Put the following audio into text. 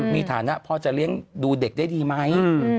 มีฐานะพอจะเลี้ยงดูเด็กได้ดีไหม